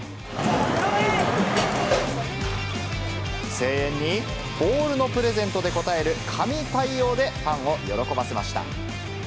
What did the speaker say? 声援にボールのプレゼントで応える、神対応でファンを喜ばせました。